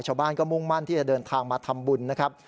ชาวบ้านก็มุ่งมั่นที่จะเดินทางมาทำบุญนะครับ